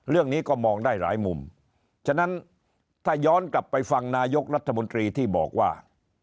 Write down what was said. เรื่องนี้ก็มองได้หลายมุมฉะนั้นถ้าย้อนกลับไปฟังนายกรัฐมนตรีที่บอกว่า